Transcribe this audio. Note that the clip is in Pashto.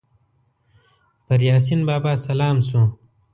پر یاسین بابا سلام سو